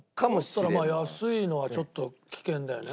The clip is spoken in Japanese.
だったら安いのはちょっと危険だよね。